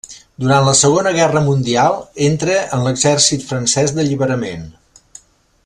Durant la Segona Guerra mundial, entra en l'Exèrcit francès d'Alliberament.